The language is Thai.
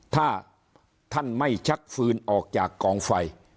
ถ้าท่านไม่ชักฟืนออกจากกองไฟ